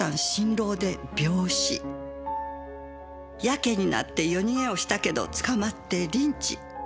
やけになって夜逃げをしたけど捕まってリンチ。